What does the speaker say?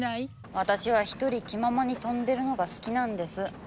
私は１人気ままに飛んでるのが好きなんです。